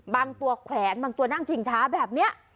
บางตัวแขวนบางตัวนั่งชิงช้าแบบนี้